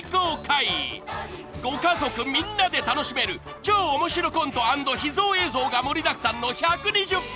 ［ご家族みんなで楽しめる超面白コント＆秘蔵映像が盛りだくさんの１２０分！］